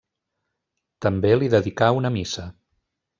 També li dedicà una Missa.